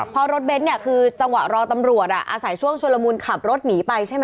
เพราะรถเบนท์เนี่ยคือจังหวะรอตำรวจอาศัยช่วงชุลมูลขับรถหนีไปใช่ไหม